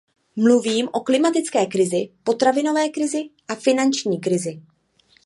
Mluvím o klimatické krizi, potravinové krizi a finanční krizi.